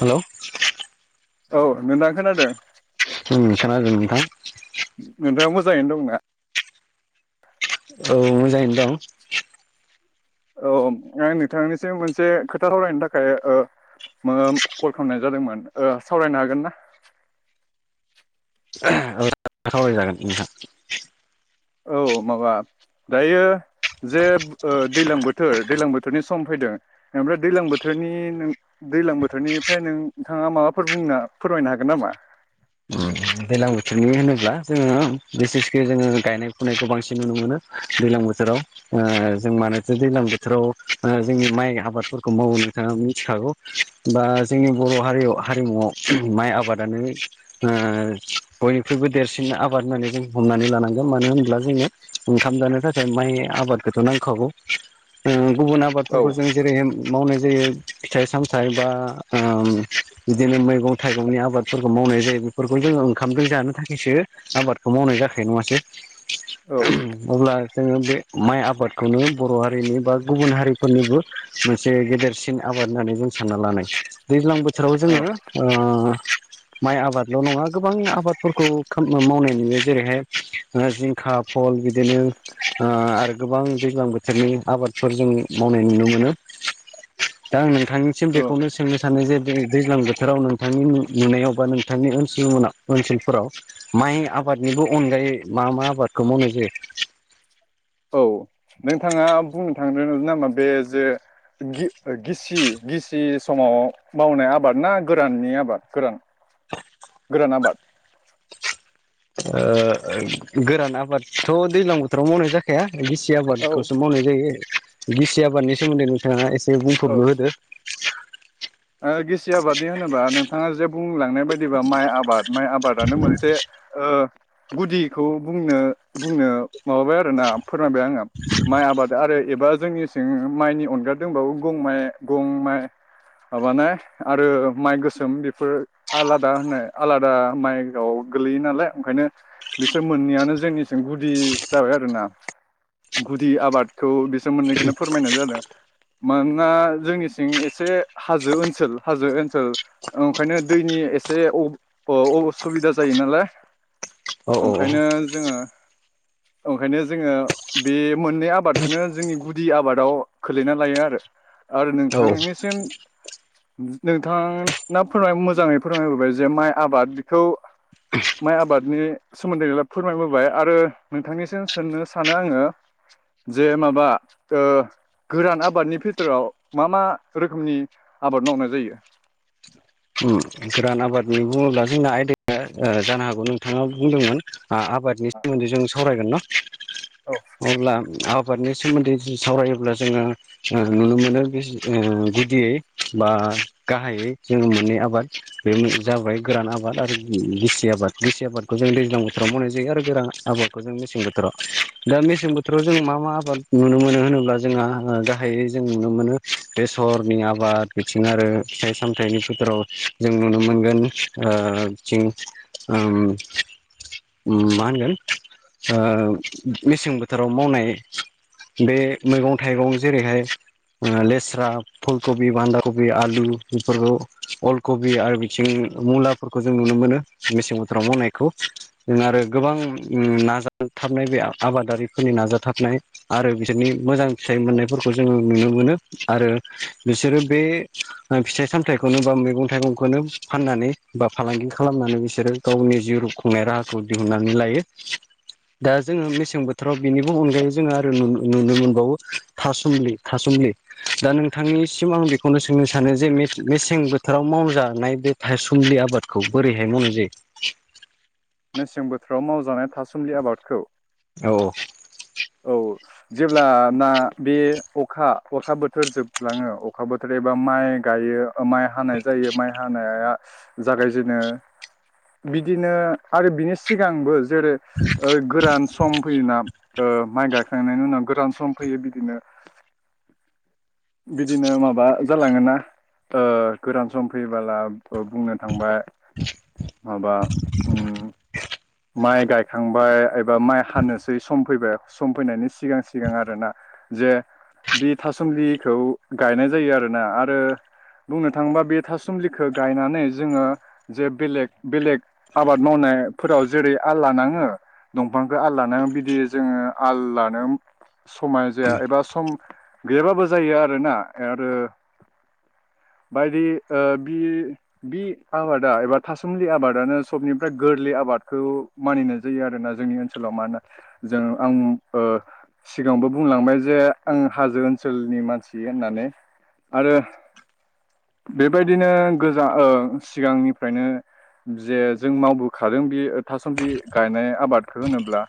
Hello औ नोंथाङा खोनादों? उम खोनादों नोंथां। नोंथाङा मोजाङैनो दंना? औ मोजाङैनो दं औ आं नोंथांनिसिम मोनसे खोथा रायलरायनो थाखाय ओ ओ कल खालामनाय जादोंमोन सावरायनो हागोन ना? औ सावराय जागोन नोंथां। औ माबा दायो। जे दैज्लां बोथोर दैलां बोथोरनि सम फैदों। ओमफ्राय दैलां बोथोरनि नों दैज्लां बोथोरनिफ्राय नोंथांङा माबाफोर बुंना फोरमायनो हागोन नामा? दैजलां बोथोरनि होनोब्ला जोंङो बिसेसके जोंङो गायनाय फुनायखौ बांसिन नुनो मोनो। दैज्लां बोथोराव जों मानोथो दैज्लां बोथोराव जोंनि माइ आबादफोरखौ मावो नोंथांङा मिथिखागौ। बा जोंनि बर' हारियाव हारिमुवयाव माइ आबादानो ओ बयनिख्रुइबो देरसिन आबाद होननानै जों हमनानै लानांगोन मानो होनब्ला जोंङो ओंखाम जानो थाखाय माइ आबादखौथ' नांखागौ गुबुन औ आबादफोरखौ जों जेरै मावनाय जायो फिथाइ सामथाइ बा ओम बिदिनो मैगं थाइगंनि आबादफोरखौ मावनाय जायो बेफोरखौ जोंङो ओंखामजों जानो थाखायसो आबादखौ मावनाय जाखायो नंङासो औ अब्ला जोंङो बे माइ आबादखौनो बर' हारिनि बा गुबुन हारिफोरनिबो मोन गेदेरसिन आबाद होननानै जों सानना लानाय दैज्लां बोथोर जोराव औ जोंङो माइ आबादल' नंङा गोबां आबादफोरखौ मावनाय नुयो जेरैहाय जिंखा फल बिदिनो आरो गोबां दैज्लां बोथोरनि आबादफोर जों मावनाय नुनो मोनो दा आं नों नोंथांनिसिम औ बेखौनो सोंनो सानो जे बे दैज्लां बोथोराव नोंथांनि नुनायाव बा नोंथांनि ओनसोलनि उनाव ओनसोलफोराव माइ आबादनिबो अनगायै मा मा आबादखौ मावनाय जायो? औ नोंथांङा बुंनो थांदों नामा बे जे गि गिसि गिसि समाव मावनाय आबाद ना गोराननि आबाद गोरान गोरान आबाद ओ गोरान आबादथ' दैजलां बोथोराव मावनाय जाखाया गिसि औ आबादखौसो मावनाय जायो गिसि आबादनि सोमोन्दै नोंथांङा एसे औ बुंफुरलु होदो। गिसि आबादनि होनोबा नोंथांङा जे बुंलांनाय बायदिबा माइ आबाद माइ आबाद मोनसे गुदिखौ बुंनो बुंनो माबाबाय आरोना फोरमायबाय आंङो माइ आबाद आरो एबा जोंनि सिं माइनि अनगा दंबावो गं माइ गं माइ माबानाय आरो माइ गोसोम बेफोर आलादा होनो आलादा माइनाव गोलैयो नालाय ओंखायनो बिसोर मोननैयानो जोंनिसिम गुदि जाबाय आरोना गुदि आबादखौ बेसोर मोननैखौनो फोरमायनाय जादों। मानोना जोंनिथिं एसे हाजो ओनसोल हाजो ओनसोल ओंखायनो दैनि एसे असुबिदा जायो नालाय औ औ ओंखायनो जोंङो ओंखायनो जोंङो बे मोननै आबादखौनो जोंनि गुदि आबादाव खोलैना लायो आरो आरो औ नोंथांनिसिम नोंथांङा फोरमाय मोजाङै फोरमायबोबाय जे माइ आबादखौ माइ आबादनि सोमोनदै फोरमायबोबाय आरो नोंथांनिसिम सोंनो सानो आंङो जे माबा गोरान आबादनि फिथोराव मा मा रोखोमनि आबाद मावनाय जायो। ओम गोरान आबादनि बुंङोब्ला जोंना जानो हागौ नोंथांङा बुंदोंमोन आबादनि सोमोनदै जों सावरायगोन न औ अब्ला आबादनि सोमोनदै सावरायोब्ला जोंङो नुनो मोनो गुदियै बा गाहायै जोंङो मोनो मोननै आबाद बे जाबाय गोरान आबाद आरो गिसि आबाद गिसि आबादखौ जों दैज्लां बोथोराव मावनाय जायो आरो गोरान आबाद मेसें बोथोराव दा मेसें बोथोराव जों मा मा आबाद नुनो मोनो होनोब्ला जोंहा गा जों नुनो मोनो बेसरनि आबाद बिथिं आरो फिथाइ सामथनि फोथाराव जों नुनो मोनगोन बिथिं ओम ओम मा होनगोन औ मेसें बोथोराव मावनाय बे मैगं थाइगं जेरैहाय लेस्रा फुल कबि बानदा कबि आलु बेफोरखौ अल कबि आरो बिथिं मुलाफोरखौ जों नुनो मोनो मेसें बोथोराव मावनायखौ जों आरो गोबां नाजाथाबनाय बे आबादारिफोरनि नाजाथाबनाय आरो बिसोरनि मोजां फिथाइ मोननायफोरखौ जोङो नुनो मोनो आरो बिसोरो बे फिथाय सामथाइ फिथाइखौनो बा मैगं थाइगंखौनो फाननानै बा फालांगि खालामनानै बिसोरो गावनि जिउ खुंनाय राहाखौ दिहुननानै लायो [inaudible] दा जोङो मेसें बोथोराव बेनिबो अनगायै जोङो आरो नुनो मोनबावो थासुमलि थासुमलि दा नोंथांनिसिम आं बेखौनो सोंनो सानो जे मे मेसें बोथोराव मावजानाय बे थासुमलि आबादखौ बोरैहाय मावनाय जायो मेसें बोथोराव मावजानाय थासुमलि आबादखौ औ औ जेब्ला ना बे अखा अखा बोथोर जोबलाङो अखा बोथोर एबा माइ गायो माइ हानाय जायो माइ हानाया जागायजेनो बिदिनो आरो बिनि सिगांबो जेरै ओ [inaudible] गोरान सम फैयोना माइ गाखांनायनि उनाव गोरान सम फैयो बिदिनो बिदिनो माबा जालाङो ना गोरान सम फैबोला बुंनो थांबा माबा उम माइ गायखांबाय एबा माइ हानोसै सम फैबाय सम फैनायनि सिगां सिगां आरोना जे बे थासुमलिखौ गायनाय जायो आरोना आरो बुंनो थाङोबा बे थासुमलिखौ गायनानै जोङो जे बेलेग बेलेग आबाद मावनाय फोराव जेरै आल लानाङो दंफांखौ आल लानाङो बिदि जोङो आल लानो समाय जाया एबा सम गैयाबाबो जायो आरोना आरो बायदि बि बि आबादा एबा थासुमुलि आबादानो सबनिफ्राय गोरलै आबादखौ मानिनाय जायो आरोना जोंनि ओनसोलाव मा होनो ना जों आं सिगाङावबो बुंलांबाय जे आं हाजो ओनसोलनि मानसि होननानै आरो बेबायदिनो गोजा सिगांनिफ्रायनो जे जों मावबोखादों बेयो थासुमलि गायनाय आबादखौ होनोब्ला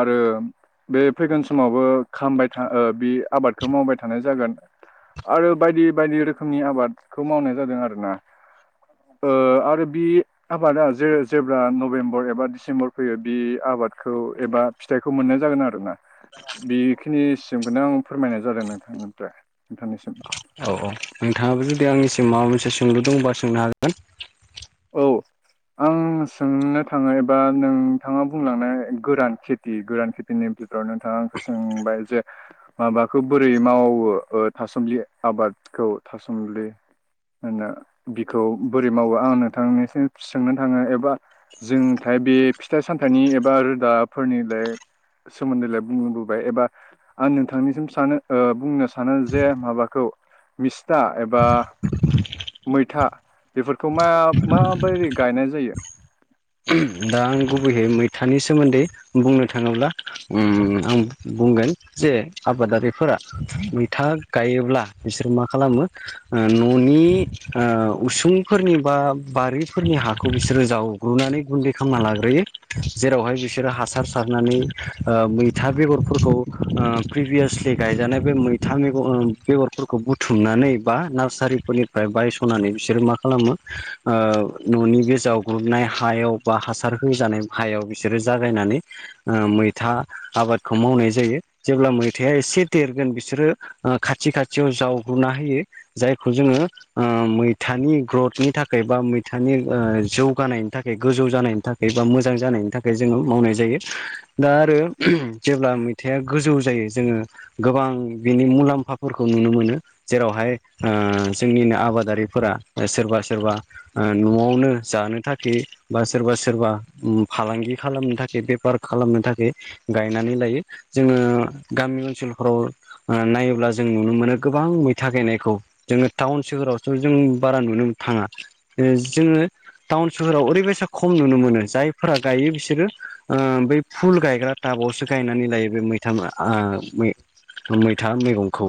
आरो बे फैगोन समावबो खामबाय थ बे आबादखौ मावबाय थानाय जागोन आरो बायदि बायदि रोखोमनि आबाद खौ मावनाय जादों आरो ना आरो बि आबादा जे जेब्ला नभेम्बर एबा डिसेम्बर फैयो बे आबादखौ एबा फिथाइखौ मोननाय जागोन आरो ना बेखिनिसिमखौनो आं फोरमायनाय जादों नोंथांनिफ्राय नोंथांनिसिम औ औ नोंथाङाबो जुदि आंनिसिम माबा मोनसे सोंलु दं बा सोंनो हागोन औ आं सोंनो थाङो एबा नोंथाङा बुंलांनाय गोरान खिथि खेथि गोरान खेथिनि [unintelligible] नोंथाङा आंखौ सोंबाय जे माबाखौ बोरै मावो ओ थासुमलि आबादखौ थासुमलि [unintelligible] बिखौ बोरै मावो आं नोंथांनिसिम सोंनो थाङो एबा जोंथाय बे फिथाइ-सामथाइनि एबा रोदाफोरनिलाय सोमोन्दैलाय बुंबोबाय एबा आं नोंथांनिसिम सानो ओ बुंनो सानो जे माबाखौ मिस्था एबा मैथा बेफोरखौ मा माबोरै गायनाय जायो? दा आं गुबैयै मैथानि सोमोन्दै बुंनो थाङोब्ला ओम आं बुंगोन जे आबादारिफोरा मैथा गायोब्ला बिसोर मा खालामो ओ न'नि ओ उसुंफोरनि बा बारिफोरनि हाखौ बिसोरो जावग्रुनानै गुन्दै खामना लाग्रोयो जेरावहाय बिसोरो हासार सारनानै ओ मैथा बेगरफोरखौ ओ प्रिभियासलि गायजानाय बे मैथा मैग ओ बेगरफोरखौ बुथुमनानै बा नार्सारिफोरनि फ्राय बायस'नानै बिसोरो मा खालामो ओ न'नि बे जावग्रुबनाय हायाव बा हासार होजानाय हायाव बिसोरो जागायनानै ओ मैथा आबादखौ मावनाय जायो जेब्ला मैथाया एसे देरगोन बिसोरो ओ खाथि खाथियाव जावग्रुना होयो जायखौ जोङो ओ मैथानि ग्रथनि थाखाय बा मैथानि ओ जौगानायनि थाखाय गोजौ जानायनि थाखाय बा मोजां जानायनि थाखाय जोङो मावनाय जायो दा आरो जेब्ला थाया गोजौ जायो जोङो गोबां बिनि मुलाम्फाफोरखौ नुनो मोनो जेरावहाय ओ जोंनिनो आबादारिफोरा सोरबा सोरबा ओ न'आवनो जानो थाखाय बा सोरबा सोरबा फालांगि खालामनो थाखाय बेफार खालामनो थाखाय गायनानै लायो जोङो गामि ओनसोलफोराव ओ नायोब्ला जों नुनो मोनो गोबां मैथा गायनायखौ जोङो टाउन सोहोरावथ' जों बारा नुनो थाङा जोङो टाउन सोहोराव ओरैबाय सा खम नुनो मोनो जायफोरा गायो बिसोरो ओ बै फुल गायग्रा टाबावसो गायनानै लायो बे मैथा मा आ मै मैथा मैगंखौ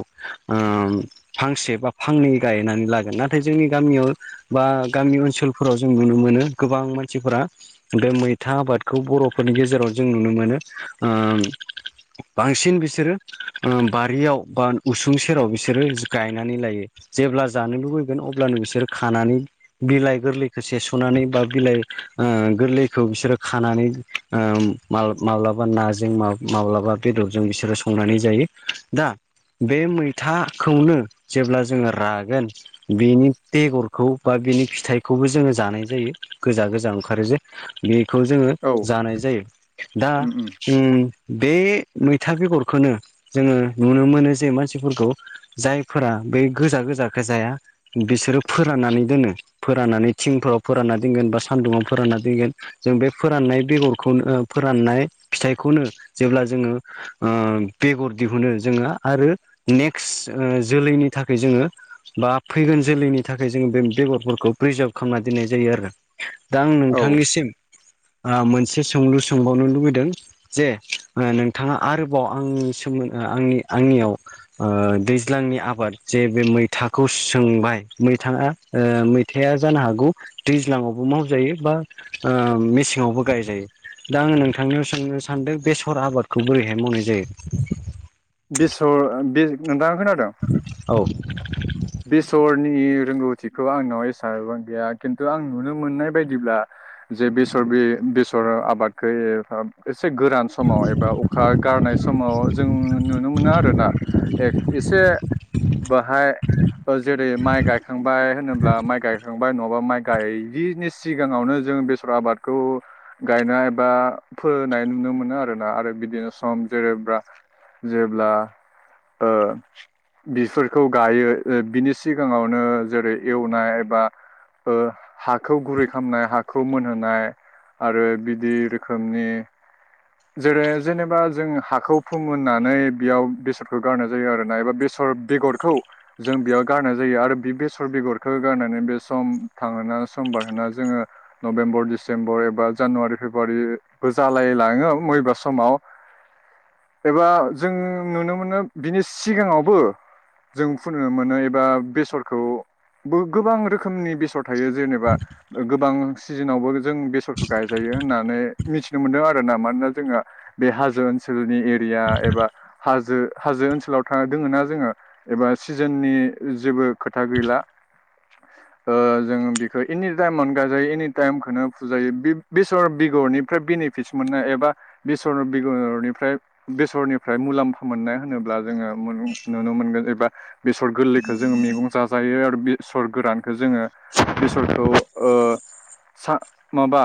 ओम फांसे बा फांनै गायनानै लागोन नाथाय जोंनि गामियाव बा गामि ओनसोलफोराव जों नुनो मोनो गोबां मानसिफोरा बे मैथा आबादखौ बर'फोरनि गेजेराव जों नुनो मोनो आम बांसिन बिसोरो ओ बारियाव बा उसुं सेराव बिसोरो गायनानै लायो जेब्ला जानो लुबैगोन अब्लानो बिसोर खानानै बिलाइ गोरलैखौ सेस'नानै बा बिलाइ ओ गोरलैखौ बिसोरो खानानै ओ माब्लाबा नाजों मा माब्लाबा बेदरजों बिसोरो संनानै जायो दा बे मैथाखौनो जेब्ला जोङो रागोन बेनि बेगरखौ बा बेनि फिथाइखौबो जोङो जानाय जायो गोजा गोजा ओंखारो जे बेखौ जोङो औ जानाय जायो दा उम उम जों बे मैथा बेगरखोनो जोङो नुनो मोनो जे मानसिफोरखौ जायफोरा बे गोजा गोजाखो जाया बिसोरो फोराननानै दोनो फोराननानै थिंफ्राव फोरानना दोनगोन बा सान्दुङाव फोरानना दोनगोन जों बे फोराननाय बेगरखौनो फोराननाय फिथाइखौनो जेब्ला जोङो ओ बेगर दिहुनो जोङो आरो नेक्स्ट जोलैनि थाखाय जोङो बा फैगोन जोलैनि थाखाय जोङो बे बेगरफोरखौ प्रिजार्भ खालामना दोननाय जायो आरो दा आं औ नोंथांनिसिम ओ मोनसे सोंलु सोंबावनो लुबैदों जे नोंथाङा आरोबाव आंनि सोमोन आंनि आंनियाव ओ दैज्लांनि आबाद जे बे मैथा खौ सोंबाय मैथा ओ मैथाया जानो हागौ दै दैज्लाङावबो मावजायो बा ओ मेसेङावबो गायजायो। दा आङो नोंथांनाव सोंनो सानदों बेसर आबादखौ बोरैहाय मावनाय जायो? बेसर बे नोंथाङा खोनादों? औ बेसरनि रोंगौथिखौ आंनाव एसेबां गैया खिन्थु आं नुनो मोननाय बायदिब्ला जे बेसर बे बेसर आबादखौ एसे गोरान समाव एबा अखा गारनाय समाव जों नुनो मोनो आरोना एसे बाहाय जेरै माइ गायखांबाय होनोब्ला माइ गायखांबाय नङाबा माइ गायिनि सिगाङावनो जों बे सर आबादखौ गायनाय बा फोनाय नुनो मोनो आरोना आरो बिदिनो सम जेरै ब्रा जेब्ला ओ बिफोरखौ गायो ओ बिनि सिगाङावनो जेरै एवनाय एबा ओ हाखौ गुरै खामनाय हाखौ मोनहोनाय आरो बिदि रोखोमनि जेरै जेनेबा जों हाखौ फोमोन होननानै बेयाव बेसरखौ गारनाय जायो आरोना। एबा बेसर बेगरखौ जों बेयाव गारनाय जायो आरो बे बेसर बेगरखौ गारनानै बे सम थांहोना समबारहोना जोङो नभेम्बर डिसेम्बर एबा जानुवारि फेब्रुवारिबो जालाय लाङो मबेबा समाव। एबा जों नुनो मोनो बिनि सिगाङावबो जों फुनो मोनो एबा बेसरखौ गोबां रोखोमनि बेसर थायो जेनेबा गोबां सिजोनावबो जों बेसरखौ गायजायो होननानै मिथिनो मोनदों आरोना मानोना जोंहा बे हाजो ओनसोलनि एरिया एबा हाजो हाजो ओनसोलाव था दोङोना जोङो एबा सिजोननि जेबो खोथा गैला। ओ जोङो बेखौ एनि टाइमावनो गाजायो एनि टाइमखौनो फुजायो बेसर बेगरनिफ्राय बिनि बैस' मोननाय एबा बिसर बेगरनिफ्राय बेसरनिफ्राय मुलाम्फा मोननाय होनोब्ला जोङो [unintelligible] नुनो मोनगोन एबा बेसर गोलैखौ जोङो मैगं जाजायो आरो बेसर गोरानखो जोङो बेसरखौ ओ सा माबा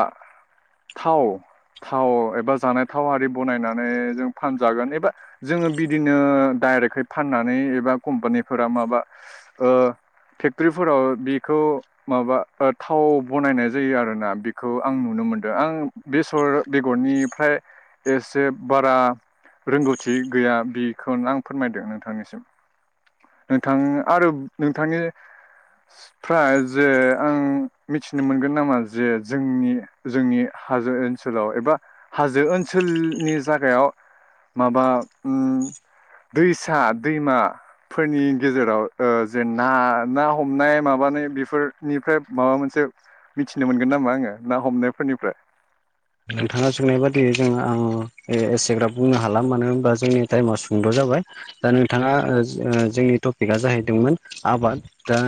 थाव थाव एबा जानाय थाव आरि बनायनानै जों फानजागोन एबा जोङो बिदिनो डाइरेकै फाननानै एबा कम्पानिफोरा माबा ओ फेक्टरिफोराव बेखौ माबा थाव बनायनाय जायो आरोना बेखौ आं नुनो मोनदों। आं बेसर बेगरनिफ्राय एसे बारा रोंगौथि गैया बिखौनो आं फोरमायदों नोंथांनिसिम। नोंथां आरो नोंथांनि फ्राय जे आं मिथिनो मोनगोन नामा जे जोंनि जोंनि हाजो ओ नसोलाव एबा हाजो ओनसोलनि जागायाव माबा उम दैसा दैमा फोरनि गेजेराव ओ जे ना ना हमनाय माबानाय बेफोरनिफ्राय माबा मोनसे मिथिनो मोनगोन नामा ओमबा ना हमनायफोरनिफ्राय। नोंथाङा सोंनाय बादियै जों आङो एसेग्राब बुंनो हाला मानो होनबा जोंनि टाइमा सुंद' जाबाय। दा नोंथाङा ओ जोंनि टपिकआ जाहैदोंमोन आबाद दा